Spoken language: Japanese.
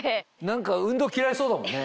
何か運動嫌いそうだもんね。